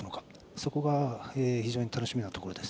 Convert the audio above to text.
そこが非常に楽しみなところです。